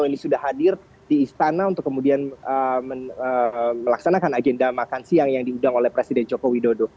yang sudah hadir di istana untuk kemudian melaksanakan agenda makan siang yang diundang oleh presiden joko widodo